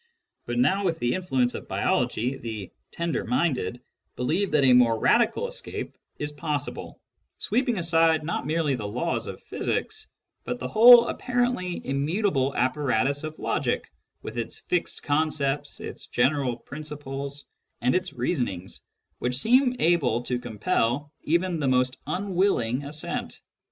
But now, with the influ ence of biology, the "tender minded" believe that a more 'radical escape is possible, sweeping aside not merely the laws of physics, but the whole apparently immutable apparatus of logic, with its fixed concepts, its general principles, and its reasonings which seem able to compel even the most unwilling assent.